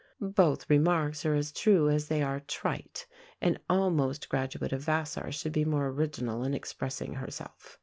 Both remarks are as true as they are trite. An almost graduate of Vassar should be more original in expressing herself.